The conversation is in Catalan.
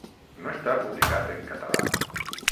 No està publicat en català.